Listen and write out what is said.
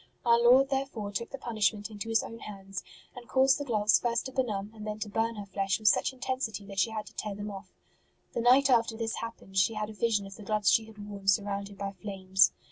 Our Lord therefore took the punishment into His own hands, and caused the gloves first to benumb and then to burn her flesh with such intensity that she had to tear them off. The night after this happened she had a vision of the gloves she had worn surrounded by flames.